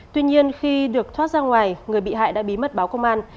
tuy nhiên khi được thoát ra ngoài người bị hại đã bí mật báo công an